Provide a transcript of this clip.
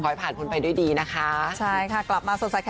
ยังมีอยู่ครับ